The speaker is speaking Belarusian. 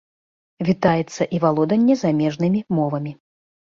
Вітаецца і валоданне замежнымі мовамі.